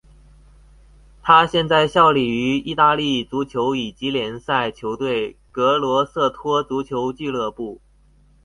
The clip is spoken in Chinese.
他现在效力于意大利足球乙级联赛球队格罗瑟托足球俱乐部。